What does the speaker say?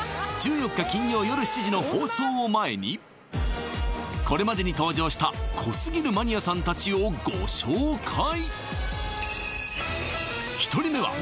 １４日金曜夜７時の放送を前にこれまでに登場した濃すぎるマニアさん達をご紹介